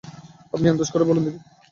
আপনিই আন্দাজ করে বলুন দেখি।